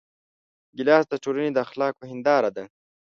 ګیلاس د ټولنې د اخلاقو هنداره ده.